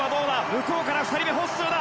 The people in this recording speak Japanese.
向こうから２人目ホッスーだ。